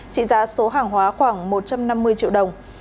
trị giá số hàng hóa khoảng một trăm năm mươi triệu đồng